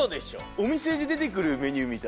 おみせででてくるメニューみたい。